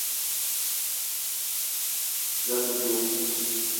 Za a te djo?